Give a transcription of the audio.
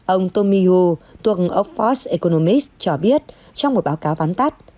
ông tomiyu tuần of force economics cho biết trong một báo cáo ván tắt